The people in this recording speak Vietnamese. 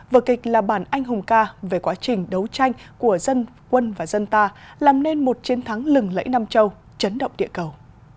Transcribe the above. vở kịch là bản anh hùng ca về quá trình đấu tranh của dân quân và dân ta làm nên một chiến thắng lừng lẫy nam châu chấn động địa cầu